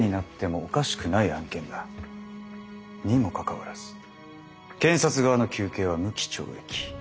にもかかわらず検察側の求刑は無期懲役。